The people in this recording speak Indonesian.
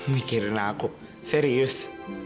mikirin aku serius